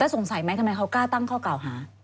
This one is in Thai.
สงสัยไหมทำไมเขากล้าตั้งข้อกล่าวหา